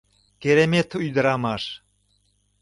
Керемет ӱдырамаш!